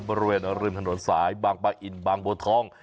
บริเวณอริมถนนสายบางป้าอิ่นบางโบทอง